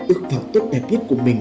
ước vào tốt đẹp nhất của mình